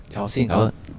cháu xin cảm ơn